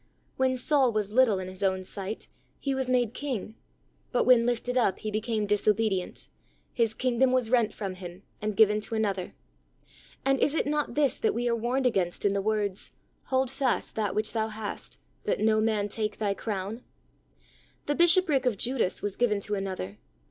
When Saul was little in his own sight, he was made king, but, when lifted up he became disobedient, his kingdom was rent from him and given to another. And is it not this we are warned against in the words: "Hold fast that which thou hast, that no man take thy crown?" The bish opric of Judas was given to another.